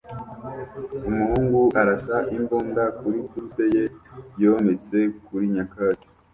Umuhungu arasa imbunda kuri bullseye yometse kuri nyakatsi